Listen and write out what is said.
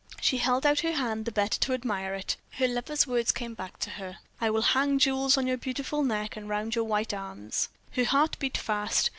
She held out her hand the better to admire it. Her lover's words came back to her: "I will hang jewels on your beautiful neck and round your white arms." Her heart beat fast.